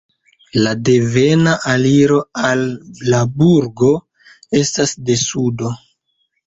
La devena aliro al la burgo estas de sudo.